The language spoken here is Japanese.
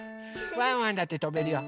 ワンワンだってとべるよ。